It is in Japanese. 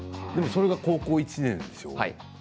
それが高校１年でしょう